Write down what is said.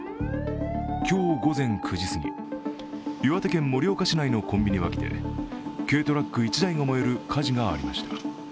今日午前９時すぎ、岩手県盛岡市内のコンビニ脇で軽トラック１台が燃える火事がありました。